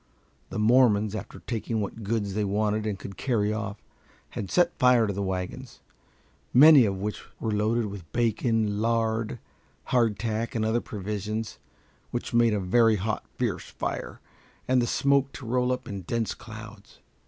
The Mormons, after taking what goods they wanted and could carry off, had set fire to the wagons, many of which were loaded with bacon, lard, hardtack, and other provisions, which made a very hot, fierce fire, and the smoke to roll up in dense clouds.